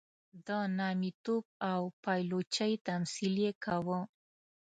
د نامیتوب او پایلوچۍ تمثیل یې کاوه.